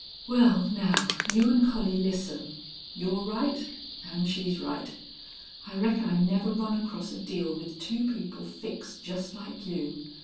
Well, now, you an' Collie listen. You're right an' she's right. I reckon I never run across a deal with two people fixed just like you.